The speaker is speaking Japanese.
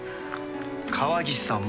川岸さんも。